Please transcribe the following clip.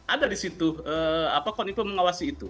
ada di situ koninfo mengawasi itu